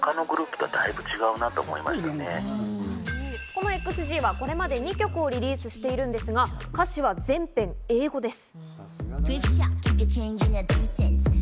このＸＧはこれまで２曲をリリースしているんですが、歌詞は全編英語です。